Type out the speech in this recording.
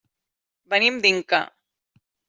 Venim d'Inca.